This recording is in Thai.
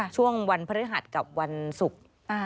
ช่วงวันพฤหัสกับวันศุกร์